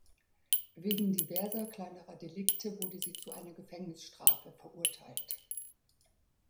Wegen diverser kleinerer Delikte wurde sie zu einer Gefängnisstrafe verurteilt.